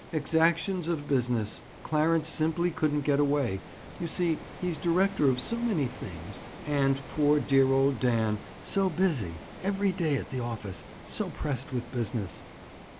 Exactions of business! Clarence simply couldn't get away. You see he's director of so many things. And poor, dear old Dan! So busy! Every day at the office! So pressed with business."